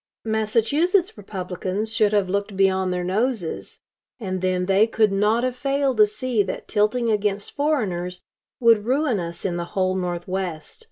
Massachusetts Republicans should have looked beyond their noses, and then they could not have failed to see that tilting against foreigners would ruin us in the whole Northwest.